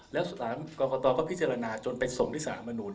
แล้วกรกตก็พิจารณาจนไปส่งที่สหรัฐมนุษย์